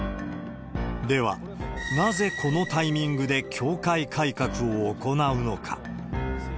では、なぜこのタイミングで教会改革を行うのか。